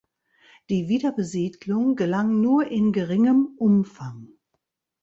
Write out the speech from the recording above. Die Wiederbesiedlung gelang nur in geringem Umfang.